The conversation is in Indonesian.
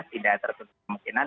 tidak tersebut kemungkinan